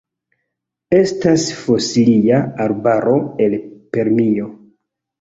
Estas fosilia arbaro el Permio.